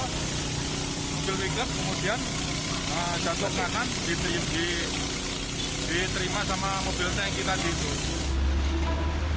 mobil pick up kemudian jatuh kanan diterima sama mobilnya yang kita jepit